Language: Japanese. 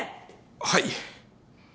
はい。